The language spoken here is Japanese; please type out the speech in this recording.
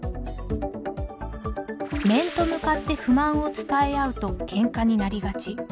面と向かって不満を伝え合うとけんかになりがち。